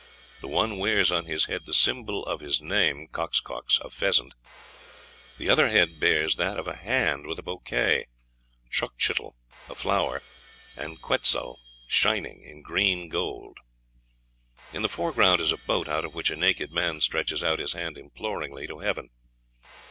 The one wears on his head the symbol of his name, Coxcox, a pheasant. The other head bears that of a hand with a bouquet (xochitl, a flower, and quetzal, shining in green gold). In the foreground is a boat, out of which a naked man stretches out his hand imploringly to heaven.